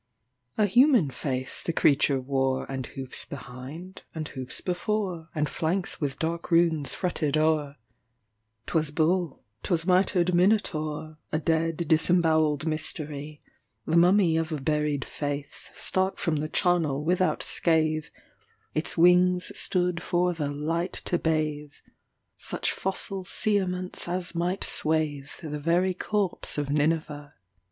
A human face the creature wore, And hoofs behind and hoofs before, And flanks with dark runes fretted o'er.'T was bull, 't was mitred Minotaur,A dead disbowelled mystery; The mummy of a buried faithStark from the charnel without scathe, Its wings stood for the light to bathe,—Such fossil cerements as might swatheThe very corpse of Nineveh.